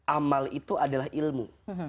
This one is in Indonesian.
amal itu adalah ilmu